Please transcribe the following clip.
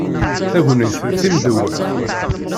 Tagnit d timdewweṛt.